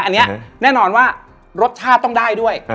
อันนี้แน่นอนว่ารสชาติต้องได้ด้วย